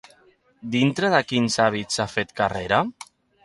Dintre de quins àmbits ha fet carrera?